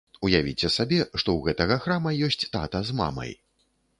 Уявіце сабе, што ў гэтага храма ёсць тата з мамай.